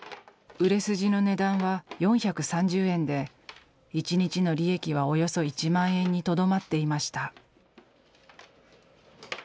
売れ筋の値段は４３０円で１日の利益はおよそ１万円にとどまっていました。